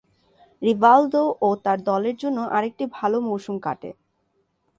Rivaldo ও তার দলের জন্য আরেকটি ভাল মৌসুম কাটে।